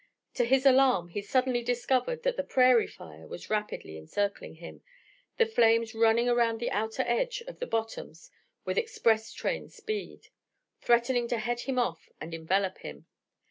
To his alarm he suddenly discovered that the prairie fire was rapidly encircling him, the flames running around the outer edge of the bottoms with express train speed, threatening to head him off and envelop him.